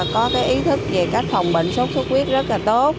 có cái ý thức về cách phòng bệnh sốt xuất huyết rất là tốt